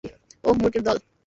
ওহ, মূর্খের দল!